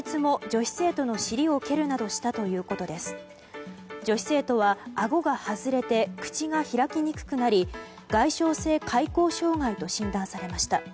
女子生徒はあごが外れて口が開きにくくなり外傷性開口障害と診断されました。